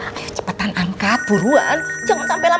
mama tuh jadi senam jantung mikirin kamu